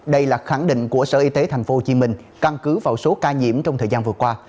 đây là khẳng định của sở y tế tp hcm căn cứ vào số ca nhiễm trong thời gian vừa qua